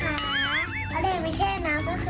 ครับผมเราก็ไม่เชื่อน้ำค่ะครับผม